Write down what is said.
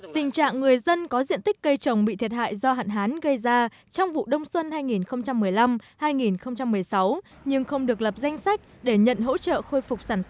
tình trạng người dân có diện tích cây trồng bị thiệt hại do hạn hán gây ra trong vụ đông xuân hai nghìn một mươi năm hai nghìn một mươi sáu